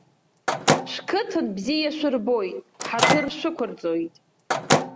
Шәқыҭан бзиа шәырбоит, ҳаҭыр шәықәырҵоит.